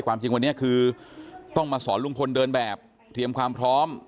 ความจริงวันนี้คือต้องมาสอนลุงพลเดินแบบเตรียมความพร้อม